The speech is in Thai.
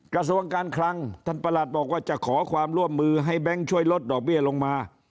กระทรวงการคลังท่านประหลัดบอกว่าจะขอความร่วมมือให้แบงค์ช่วยลดดอกเบี้ยลงมา